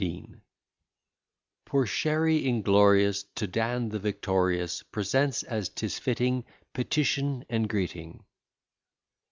Poor Sherry, inglorious, To Dan the victorious, Presents, as 'tis fitting, Petition and greeting.